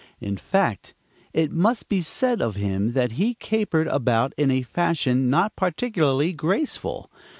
In fact, it must be said of him that he capered about in a fashion not particularly graceful.